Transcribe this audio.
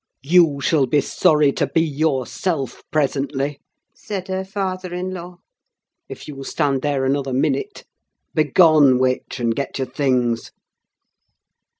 "You shall be sorry to be yourself presently," said her father in law, "if you stand there another minute. Begone, witch, and get your things!"